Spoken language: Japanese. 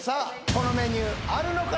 このメニューあるのか？